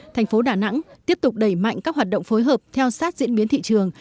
thành phố đà nẵng tiếp tục đẩy mạnh các hoạt động phối hợp theo sát diễn biến thị trường